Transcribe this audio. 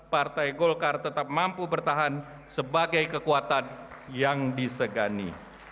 partai golkar tetap mampu bertahan sebagai kekuatan yang disegani